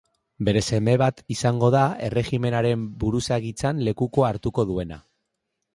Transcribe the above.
Bere seme bat izango da erregimenaren buruzagitzan lekukoa hartuko duena.